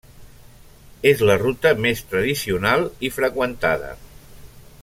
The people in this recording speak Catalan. És la ruta més tradicional i freqüentada.